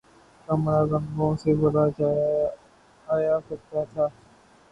کمرا رنگوں سے بھر جایا کرتا تھا